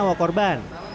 dan menjawab korban